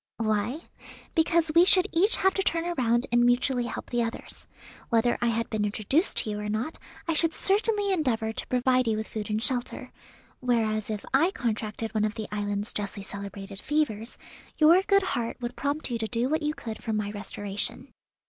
"Why? Because we should each have to turn around and mutually help the others. Whether I had been introduced to you or not, I should certainly endeavour to provide you with food and shelter; whereas if I contracted one of the island's justly celebrated fevers, your good heart would prompt you to do what you could for my restoration.